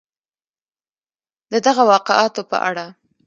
د دغه واقعاتو په اړه